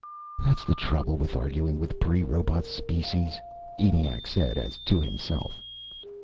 "That's the trouble with arguing with pre robot species," ENIAC said, as to himself.